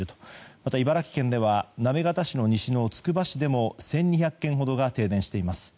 また、茨城県では行方市の西のつくば市でも１２００軒ほどが停電しています。